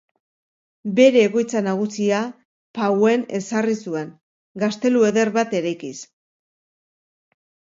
Bere egoitza nagusia Pauen ezarri zuen, gaztelu eder bat eraikiz.